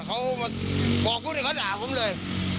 เขาบอกกูให้เขาด่าผมเลย